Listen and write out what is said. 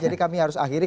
jadi kami harus akhiri